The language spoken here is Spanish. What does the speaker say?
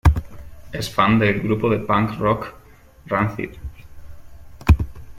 Es fan del grupo de punk rock rancid.